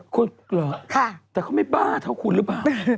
คุณเหรอแต่เขาไม่บ้าเท่าคุณหรือเปล่า